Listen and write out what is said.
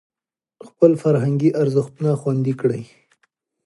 خپل فرهنګي ارزښتونه خوندي کړئ.